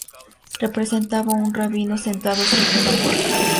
Representaba a un rabino, sentado sobre una puerca.